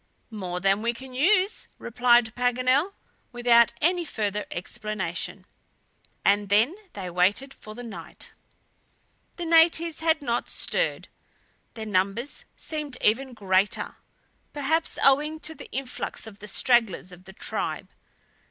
"More than we can use!" replied Paganel, without any further explanation. And then they waited for the night. The natives had not stirred. Their numbers seemed even greater, perhaps owing to the influx of the stragglers of the tribe.